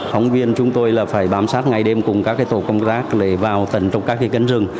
phóng viên chúng tôi là phải bám sát ngày đêm cùng các tổ công tác để vào tận trong các cánh rừng